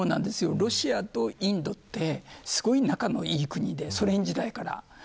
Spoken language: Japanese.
ロシアとインドはすごく仲のいい国でソ連時代から。